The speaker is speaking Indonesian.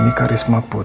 andini karisma putri